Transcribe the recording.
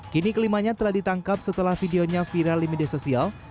kini kelimanya telah ditangkap setelah videonya viral di media sosial